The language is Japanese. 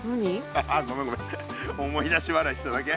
ああごめんごめん思い出しわらいしただけ。